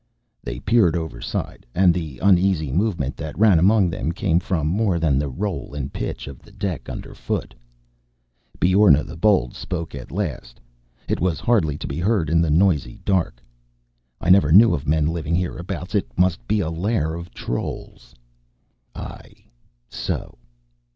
They peered overside, and the uneasy movement that ran among them came from more than the roll and pitch of the deck underfoot. Beorna the Bold spoke at last, it was hardly to be heard in the noisy dark: "I never knew of men living hereabouts. It must be a lair of trolls." "Aye, so